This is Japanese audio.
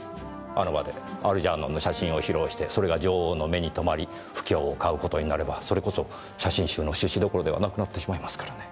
あの場でアルジャーノンの写真を披露してそれが女王の目に留まり不興をかう事になればそれこそ写真集の出資どころではなくなってしまいますからね。